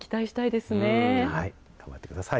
頑張ってください。